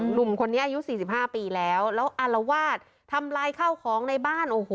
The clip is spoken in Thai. หนุ่มคนนี้อายุ๔๕ปีแล้วแล้วอลวาสทำร้ายข้าวของในบ้าน